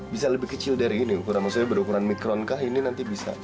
bisa lebih kecil dari ini ukuran maksudnya berukuran mikron kah ini nanti bisa